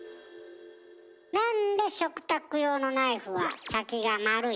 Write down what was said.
なんで食卓用のナイフは先が丸いの？